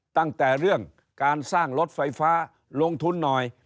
ตั้งแต่เรื่องการสร้างรถไฟฟ้าลงทุนหน่อย